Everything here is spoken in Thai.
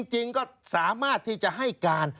จริงก็สามารถที่จะให้การ